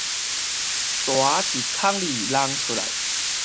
蛇佇空裡弄出來